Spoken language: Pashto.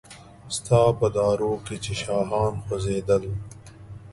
ستا په دارو کې چې شاهان خوځیدل